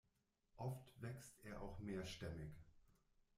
Oft wächst er auch mehrstämmig.